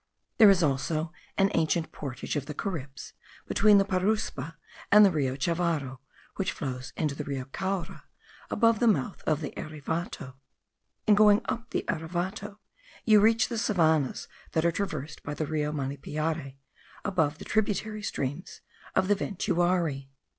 There is also an ancient portage of the Caribs between the Paruspa and the Rio Chavaro, which flows into the Rio Caura above the mouth of the Erevato. In going up the Erevato you reach the savannahs that are traversed by the Rio Manipiare above the tributary streams of the Ventuari.